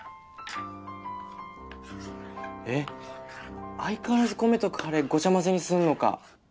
えっ相変わらず米とカレーごちゃ混ぜにするのか。